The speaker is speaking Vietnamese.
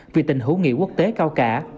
vì tình hữu nghị quốc tế cao cả